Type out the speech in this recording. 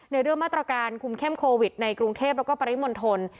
ในเรื่องมาตรการคุมเข้มโควิดในกรุงเทพแล้วก็ปริมณฑล